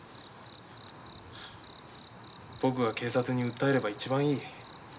僕が警察に訴えれば一番いい。